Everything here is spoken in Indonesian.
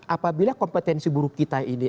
apabila kompetensi buruk kita ini